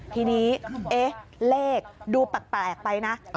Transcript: ทีนี้เลขดูแปลกไปนะ